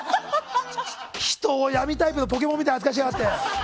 人を闇タイプのポケモンみたいな扱いしやがって。